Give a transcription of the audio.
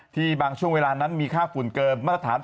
บางช่วงเวลานั้นมีค่าฝุ่นเกินมาตรฐาน